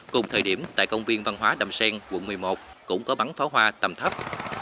cùng thời điểm tại công viên văn hóa đầm xen quận một mươi một cũng có bắn pháo hoa tầm thấp